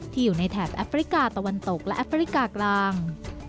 อยู่ในแถบแอฟริกาตะวันตกและแอฟริกากลาง